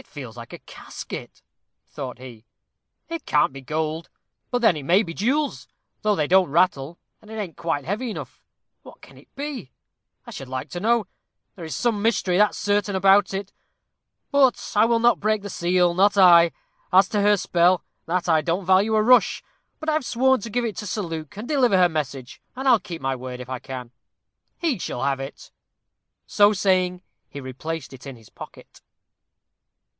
"It feels like a casket," thought he. "It can't be gold. But then it may be jewels, though they don't rattle, and it ain't quite heavy enough. What can it be? I should like to know. There is some mystery, that's certain, about it; but I will not break the seal, not I. As to her spell, that I don't value a rush; but I've sworn to give it to Sir Luke, and deliver her message, and I'll keep my word if I can. He shall have it." So saying, he replaced it in his pocket.